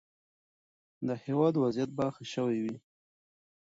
د هیواد وضعیت به ښه شوی وي.